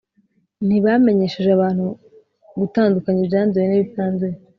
ntibamenyesheje abantu gutandukanya ibyanduye n’ibitanduye,